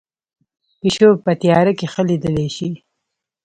پیشو په تیاره کې ښه لیدلی شي